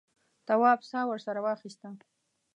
تواب سا ورسره واخیسته.